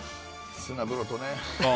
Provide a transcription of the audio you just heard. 砂風呂とね。